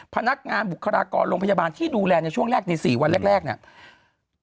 พนักงานบุคลากรโรงพยาบาลที่ดูแลในช่วงแรกใน๔วันแรกเนี่ย